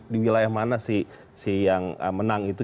di wilayah mana si yang menang itu